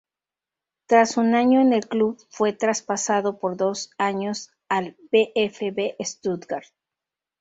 Tras un año en el club fue traspasado por dos años al VfB Stuttgart.